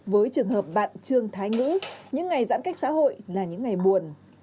với trường hợp bạn trương thái ngữ những ngày giãn cách xã hội là những ngày buồn